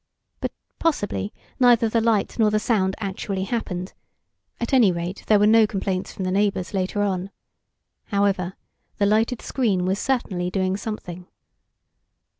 But possibly neither the light nor the sound actually happened; at any rate, there were no complaints from the neighbors later on. However, the lighted screen was certainly doing something.